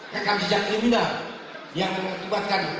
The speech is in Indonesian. rekam jejak kriminal yang mengakibatkan